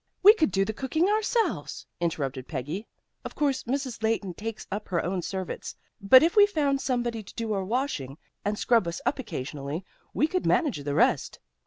"We could do the cooking ourselves," interrupted Peggy. "Of course. Mrs. Leighton takes up her own servants, but if we found somebody to do our washing, and scrub us up occasionally, we could manage the rest."